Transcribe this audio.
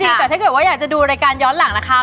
แต่ถ้าเกิดว่าอยากจะดูรายการย้อนหลังนะคะ